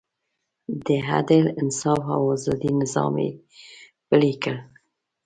د عدل، انصاف او ازادۍ نظام یې پلی کړ.